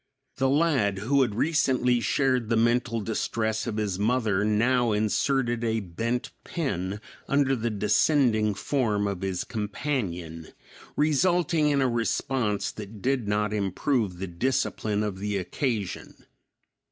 The lad who had recently shared the mental distress of his mother now inserted a bent pin under the descending form of his companion; resulting in a response that did not improve the discipline of the occasion.